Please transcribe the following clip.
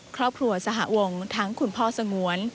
ครอบครัวสหวงทั้งคุณพ่อสงวน